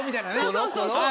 そうそうそうそう。